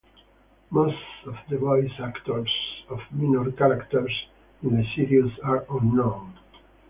Most of the voice actors of minor characters in the series are unknown.